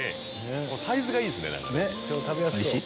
サイズがいいですね。